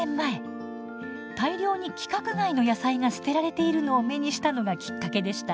大量に規格外の野菜が捨てられているのを目にしたのがきっかけでした。